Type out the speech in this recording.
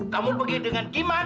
kamu pergi dengan giman